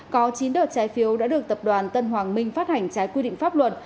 có chín đợt trái phiếu đã được tập đoàn tân hoàng minh phát hành trái quy định pháp luật